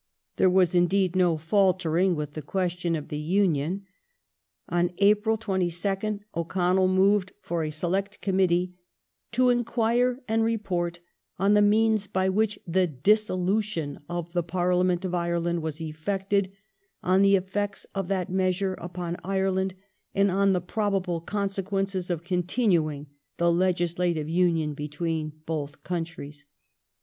There was indeed no falter ing with the question of the Union. On April 22nd O'Connell moved for a Select Committee " to inquire and report on the means by which the dissolution of the Parliament of Ireland was effected ; on the effects of that measure upon Ireland ; and on the probable consequences of continuing the legislative Union between both countries